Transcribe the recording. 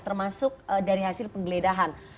termasuk dari hasil penggeledahan